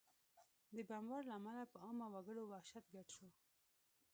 د بمبار له امله په عامه وګړو وحشت ګډ شو